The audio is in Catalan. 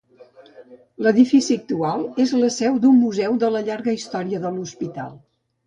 L'edifici actual és la seu d'un museu de la llarga història de l'hospital.